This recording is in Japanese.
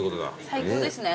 最高ですね。